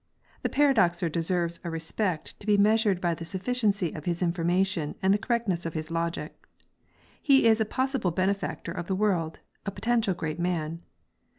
The paradoxer deserves a respect to be measured by the sufficiency of his information and the correct ness of his logic. He is a possible benefactor of the world, a potential great man.